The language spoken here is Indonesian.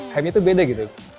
hime nya tuh beda gitu